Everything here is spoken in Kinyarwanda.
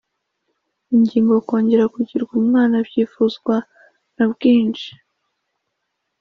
Ingingo Kongera kugirwa umwana byifuzwa na bwnshi